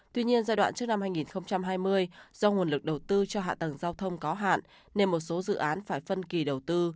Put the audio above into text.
tuy nhiên giai đoạn trước năm hai nghìn hai mươi do nguồn lực đầu tư cho hạ tầng giao thông có hạn nên một số dự án phải phân kỳ đầu tư